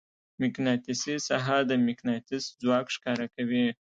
مقناطیسي ساحه د مقناطیس ځواک ښکاره کوي.